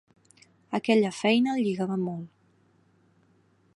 Aquella feina el lligava molt.